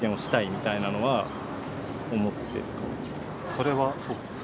それはそうですね。